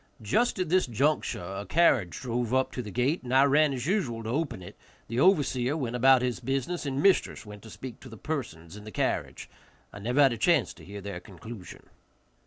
Just at this juncture a carriage drove up to the gate, and I ran as usual to open it, the overseer went about his business, and mistress went to speak to the persons in the carriage. I never had a chance to hear their conclusion.